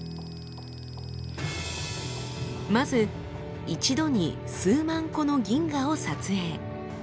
まず一度に数万個の銀河を撮影。